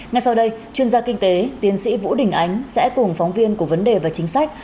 ngay sau đây chuyên gia kinh tế tiến sĩ vũ đình ánh sẽ cùng phóng viên của vấn đề và chính sách